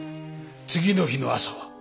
次の日の朝は？